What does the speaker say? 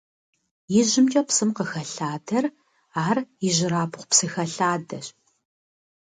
ИжьымкӀэ псым къыхэлъадэр ар ижьырабгъу псы хэлъадэщ.